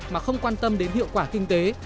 mà không quan tâm đến hiệu quả kinh tế